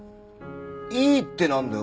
「いい」ってなんだよ。